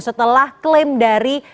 setelah klaim dari